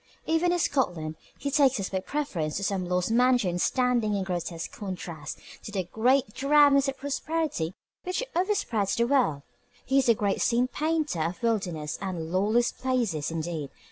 Even in Scotland, he takes us by preference to some lost mansion standing in grotesque contrast to the "great drabness of prosperity which overspreads the world." He is a great scene painter of wildernesses and lawless places, indeed.